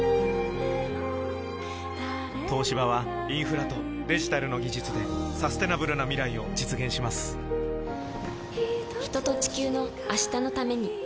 東芝はインフラとデジタルの技術でサステナブルな未来を実現します人と、地球の、明日のために。